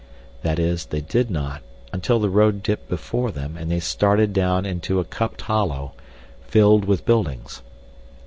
That is, they did not until the road dipped before them and they started down into a cupped hollow filled with buildings.